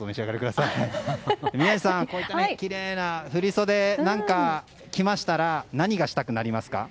宮司さん、こういったきれいな振り袖を着ましたら何がしたくなりますか？